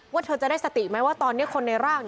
ว่าเธอจะได้สติไหมว่าตอนนี้คนในร่าง